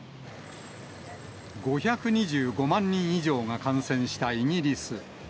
５２５万人以上が感染したイギリス。